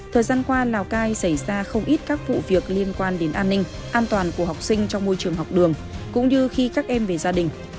thời gian qua lào cai xảy ra không ít các vụ việc liên quan đến an ninh an toàn của học sinh trong môi trường học đường cũng như khi các em về gia đình